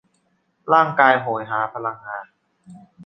ร่างกายโหยหาพลังงาน